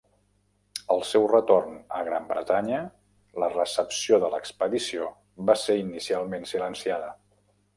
Al seu retorn a Gran Bretanya, la recepció de l'expedició va ser inicialment silenciada.